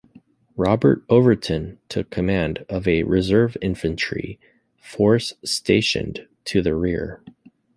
Robert Overton took command of a reserve infantry force stationed to the rear.